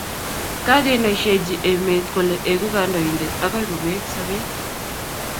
kakenaisheji emet kole egu kandoindet akoi kobeet sobet